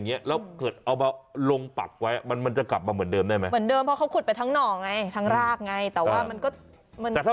เนี่ยขุดไปเลยอ่ะอันนี้มีหน่อด้วยอ่ะ